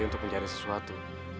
untuk mencari sesuatu